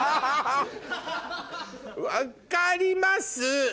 分かります！